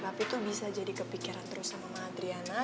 papi tuh bisa jadi kepikiran terus sama mama andrena